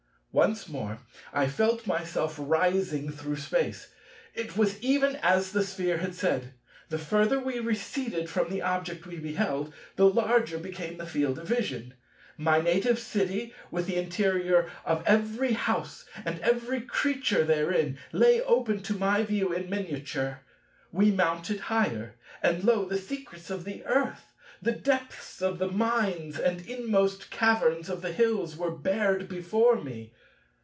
Once more I felt myself rising through space. It was even as the Sphere had said. The further we receded from the object we beheld, the larger became the field of vision. My native city, with the interior of every house and every creature therein, lay open to my view in miniature. We mounted higher, and lo, the secrets of the earth, the depths of the mines and inmost caverns of the hills, were bared before me.